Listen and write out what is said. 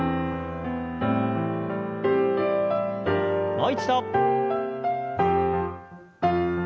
もう一度。